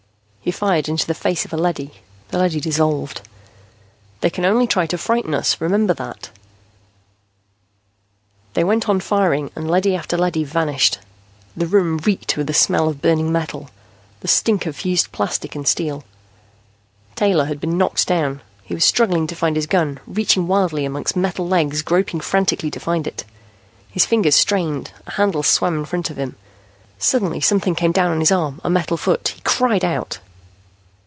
He fired into the face of a leady. The leady dissolved. "They can only try to frighten us. Remember that." They went on firing and leady after leady vanished. The room reeked with the smell of burning metal, the stink of fused plastic and steel. Taylor had been knocked down. He was struggling to find his gun, reaching wildly among metal legs, groping frantically to find it. His fingers strained, a handle swam in front of him. Suddenly something came down on his arm, a metal foot. He cried out.